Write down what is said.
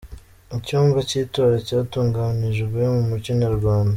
Icyumba cy’itora cyatunganijwe mu muco nyarwanda